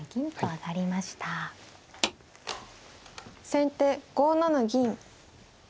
先手５七銀。